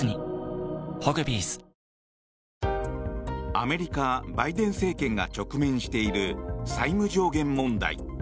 アメリカ、バイデン政権が直面している債務上限問題。